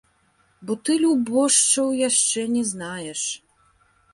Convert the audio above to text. Бо ты любошчаў яшчэ не знаеш.